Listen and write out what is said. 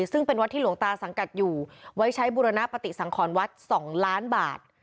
ซึ่งเป็นวัดที่หลวงตาสังกัดอยู่ไว้ใช้บุรณปฏิสังขรวัด๒ล้านบาท